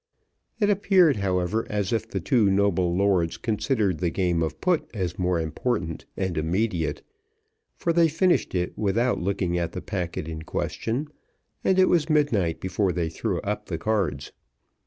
It appeared, however, as if the two noble lords considered the game of put as more important and immediate, for they finished it without looking at the packet in question, and it was midnight before they threw up the cards.